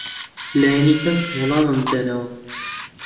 لانی کەم وەڵامم بدەنەوە.